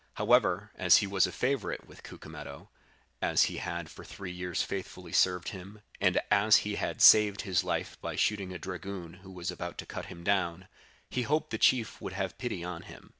However, as he was a favorite with Cucumetto, as he had for three years faithfully served him, and as he had saved his life by shooting a dragoon who was about to cut him down, he hoped the chief would have pity on him.